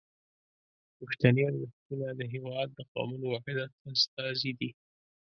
پښتني ارزښتونه د هیواد د قومونو وحدت استازي دي.